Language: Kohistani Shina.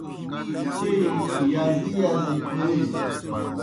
چیئی یازی یازی پولِیْ۔